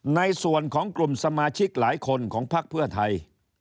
ในส่วนของกลุ่มสมาชิกหลายคนของพักเพื่อไทย